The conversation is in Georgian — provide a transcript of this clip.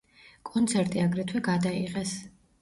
კონცერტი აგრეთვე გადაიღეს.